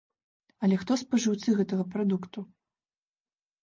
Але хто спажыўцы гэтага прадукту?